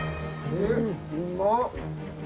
・うまっ！